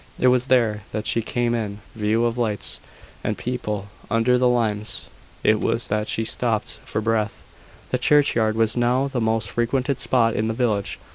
It was there that she came in view of lights and people; and under the limes it was that she stopped for breath. The churchyard was now the most frequented spot in the village.